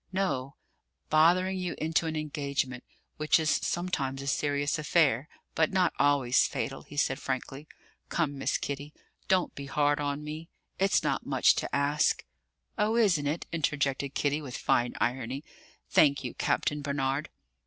"No; bothering you into an engagement which is sometimes a serious affair, but not always fatal," he said frankly. "Come, Miss Kitty, don't be hard on me! It's not much to ask " "Oh, isn't it?" interjected Kitty with fine irony. "Thank you. Captain Barnard."